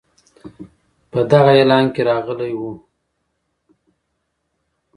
په دغه اعلان کې راغلی وو.